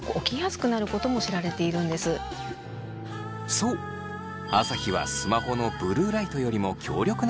そう朝日はスマホのブルーライトよりも強力な光です。